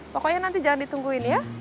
pokoknya nanti jangan ditungguin ya